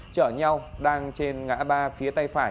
chở nhau đang trên ngã ba phía tay phải